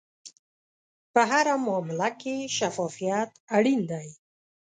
په هره معامله کې شفافیت اړین دی.